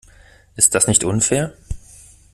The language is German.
Ist das nicht unfair?